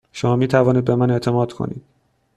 شما می توانید به من اعتماد کنید.